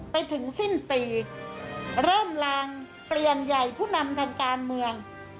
ไปถึงสิ้นปีเริ่มลางเปลี่ยนใหญ่ผู้นำทางการเมือง